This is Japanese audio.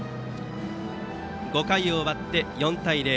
５回を終わって４対０。